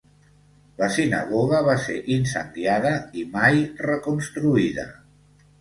La sinagoga va ser incendiada i mai reconstruïda.